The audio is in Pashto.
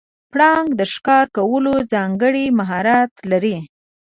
پړانګ د ښکار کولو ځانګړی مهارت لري.